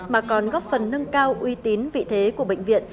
mà còn góp phần nâng cao uy tín vị thế của bệnh viện